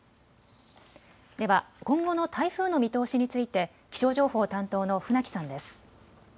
では今後の台風の見通しについて気象情報担当の船木さんです。